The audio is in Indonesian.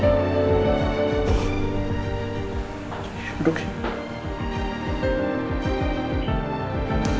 helm perang suara semangat